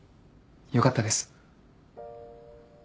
よかったです。